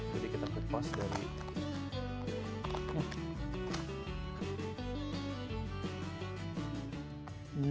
jadi kita kepas dari